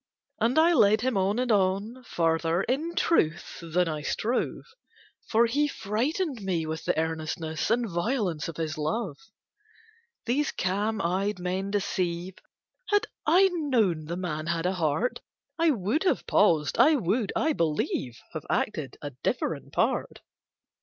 And I led him on and on, Farther, in truth, than I strove, For he frightened me with the earnestness And violence of his love; These calm eyed men deceive Had I known the man had a heart, I would have paused, I would, I believe, Have acted a different part.